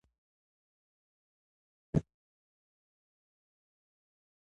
غازیان باید د دښمن مخه ونیسي.